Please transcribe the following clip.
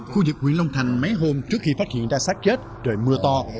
khu vực nguyễn long thành mấy hôm trước khi phát hiện ra sát chết trời mưa to